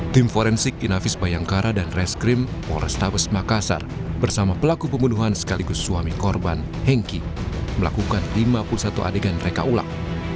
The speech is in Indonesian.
tim forensik inafis bayangkara dan reskrim polrestabes makassar bersama pelaku pembunuhan sekaligus suami korban hengki melakukan lima puluh satu adegan reka ulang